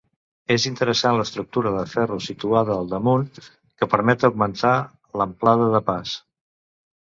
És interessant l'estructura de ferro situada al damunt que permet augmentar l'amplada de pas.